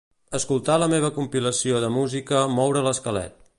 Escoltar la meva compilació de música "moure l'esquelet".